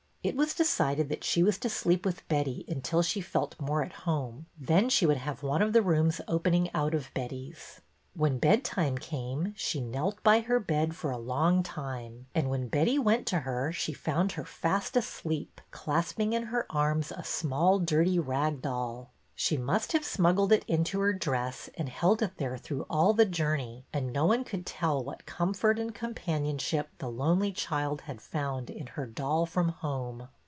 It was decided that she was to sleep with Betty until she felt more at home, then she would have one of the rooms opening out of Betty's. When bedtime came she knelt by her bed for a long time, and when Betty went to her she found her fast asleep, clasping in her arms a small, dirty rag doll. She must have smuggled it into her dress and held it there through all the journey, and no one could tell what comfort and com panionship the lonely child had found in her doll from home.